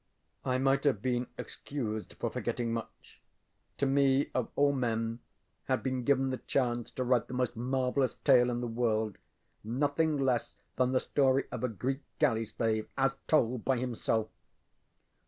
I might have been excused for forgetting much. To me of all men had been given the chance to write the most marvelous tale in the world, nothing less than the story of a Greek galley slave, as told by himself.